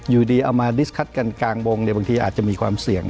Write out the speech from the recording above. อยู่ดีเอามาดิสคัสกันกลางวงบางทีอาจจะมีความเสี่ยง